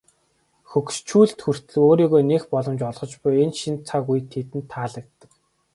Хөгшчүүлд хүртэл өөрийгөө нээх боломж олгож буй энэ шинэ цаг үе тэдэнд таалагддаг.